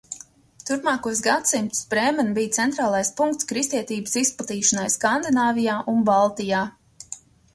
Turpmākos gadsimtus Brēmene bija centrālais punkts kristietības izplatīšanai Skandināvijā un Baltijā.